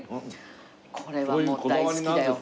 これはもう大好きだよ